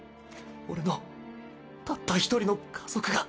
俺のたった一人の家族が。